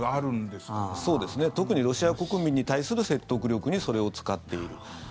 特にロシア国民に対する説得力にそれを使っている。